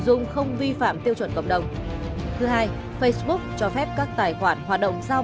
dung không vi phạm tiêu chuẩn cộng đồng thứ hai facebook cho phép các tài khoản hoạt động giao